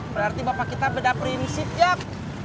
berarti bapak kita beda prinsip jak